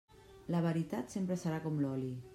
La veritat sempre serà com l'oli.